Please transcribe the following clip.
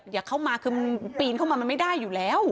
อย่าเข้ามาคือปีนเข้ามามันไม่ได้อยู่แล้ว